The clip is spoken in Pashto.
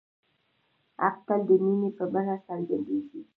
حق تل د مینې په بڼه څرګندېږي.